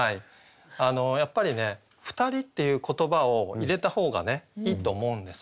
やっぱりね「ふたり」っていう言葉を入れた方がいいと思うんですよね。